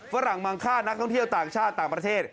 ฝรั่งมังค่านักท่องเที่ยวต่างชาติต่างประเทศ